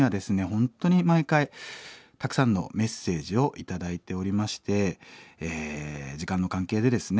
本当に毎回たくさんのメッセージを頂いておりましてえ時間の関係でですね